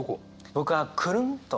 僕は「くるんと」。